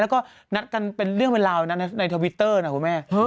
แล้วก็นัดกันเป็นเรื่องเป็นราวนั้นในทวิตเตอร์นะคุณแม่